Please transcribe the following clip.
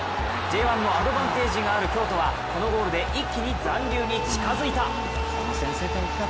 Ｊ１のアドバンテージがある京都はこのゴールで一気に残留に近づいた。